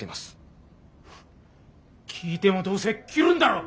聞いてもどうせ切るんだろ。